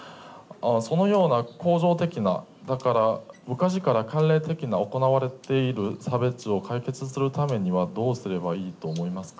そのような構造的なだから昔から慣例的に行われている差別を解決するためにはどうすればいいと思いますか？